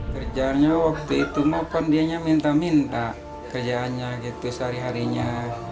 kerjaannya waktu itu dia minta minta kerjaannya sehari harinya